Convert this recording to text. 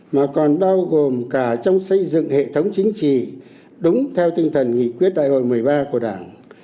mà còn bao gồm cả trong xây dựng hệ thống chính trị đúng theo tinh thần nghị quyết đại hội một mươi ba của đảng